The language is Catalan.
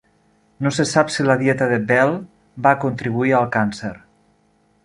No se sap si la dieta de Bell va contribuir al càncer.